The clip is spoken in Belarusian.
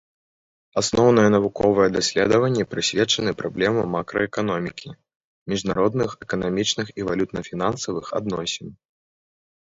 Асноўныя навуковыя даследаванні прысвечаны праблемам макраэканомікі, міжнародных эканамічных і валютна-фінансавых адносін.